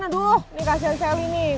aduh ini kasihan sally nih